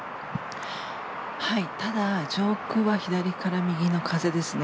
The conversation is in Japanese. ただ、上空は左から右の風ですね。